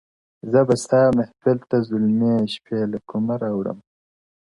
زه به ستا محفل ته زلمۍ شپې له کومه راوړمه-